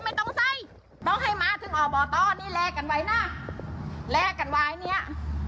ไม่ไหวนะแลกกันไว้เนี่ย